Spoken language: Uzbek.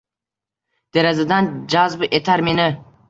Derazadan jazb etar meni.